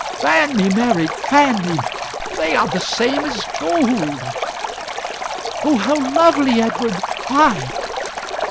"Fan me, Mary, fan me! They are the same as gold!" "Oh, how lovely, Edward! Why?"